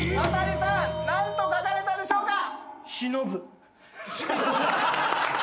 亘さん何と書かれたでしょうか？